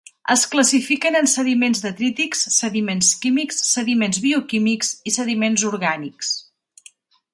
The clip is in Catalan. Es classifiquen en sediments detrítics, sediments químics, sediments bioquímics i sediments orgànics.